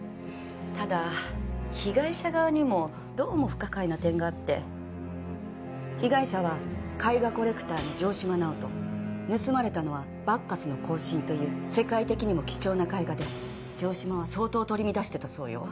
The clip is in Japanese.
ただ被害者側にもどうも不可解な点があって被害者は絵画コレクターの城島直人盗まれたのは「バッカスの行進」という世界的にも貴重な絵画で城島は相当取り乱してたそうよ